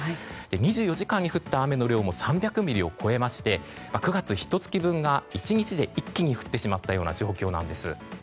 ２４時間に降った雨の量も３００ミリを超えまして９月ひと月分が１日で一気に降ってしまった状況です。